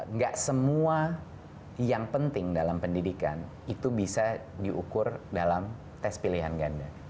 nggak semua yang penting dalam pendidikan itu bisa diukur dalam tes pilihan ganda